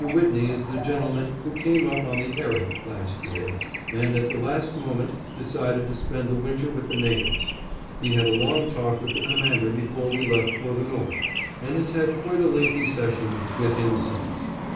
Whitney is the gentleman who came up on the Erik last year, and at the last moment decided to spend the winter with the natives. He had a long talk with the Commander before we left for the north, and has had quite a lengthy session with him since.